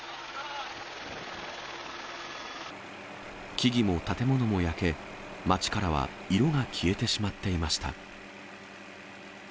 木々も建物も焼け、街からは色が消えてしまっていました。